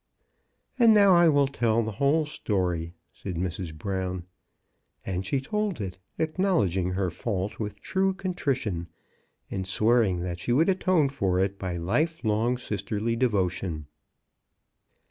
" And now I will tell the whole story," said Mrs. Brown. And she told it, acknowledging her fault with true contrition, and swearing that she would atone for it by life long sisterly devotion.